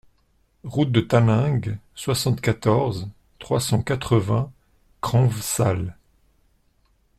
Route de Taninges, soixante-quatorze, trois cent quatre-vingts Cranves-Sales